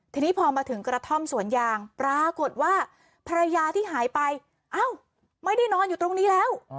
ทีนี้พอมาถึงกระท่อมสวนยางปรากฏว่าภรรยาที่หายไปเอ้าไม่ได้นอนอยู่ตรงนี้แล้ว